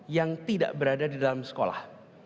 yang tidak berada di dalam sekolah